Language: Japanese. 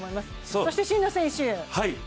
そして真野選手。